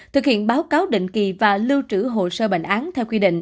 thực hiện báo cáo định kỳ và lưu trữ hồ sơ bệnh án theo quy định